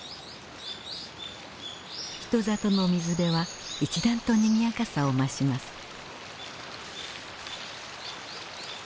人里の水辺は一段とにぎやかさを増します。